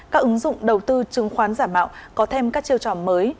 các ứng dụng đầu tư chứng khoán giả mạo có thêm các chiêu trò mới